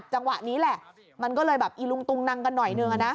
จังหวะนี้แหละมันก็เลยแบบอีลุงตุงนังกันหน่อยนึง